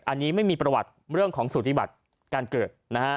อันนี้ไม่มีประวัติเรื่องของสูติบัติการเกิดนะฮะ